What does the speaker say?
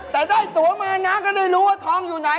แต่ได้ตัวมาน้าก็ได้รู้ว่าทองอยู่ไหน